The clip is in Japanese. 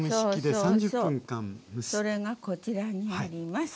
それがこちらにあります。